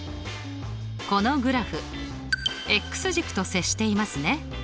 このグラフ軸と接していますね。